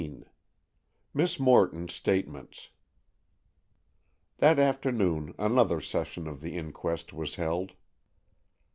XVII MISS MORTON'S STATEMENTS That afternoon another session of the inquest was held.